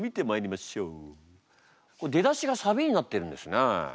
出だしがサビになってるんですね。